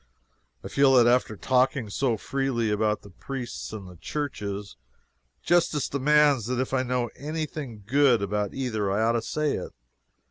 I feel that after talking so freely about the priests and the churches, justice demands that if I know any thing good about either I ought to say it.